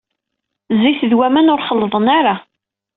Zzit d waman ur xellḍen ara.